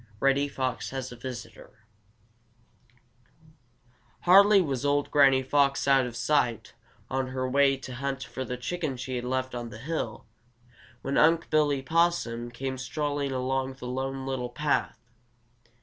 Reddy Fox Has a Visitor Hardly was old Granny Fox out of sight on her way to hunt for the chicken she had left on the hill, when Unc' Billy Possum came strolling along the Lone Little Path.